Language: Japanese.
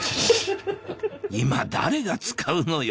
今誰が使うのよ